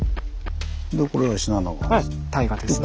これは信濃川ですね。